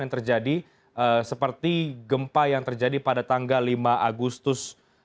ini adalah gempa yang terjadi pada tanggal lima agustus